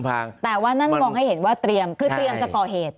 แต่ว่านั่นมองให้เห็นว่าเตรียมคือเตรียมจะก่อเหตุ